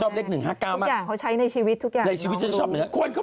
ผมเห็นเลขที่ตรงข้างขวา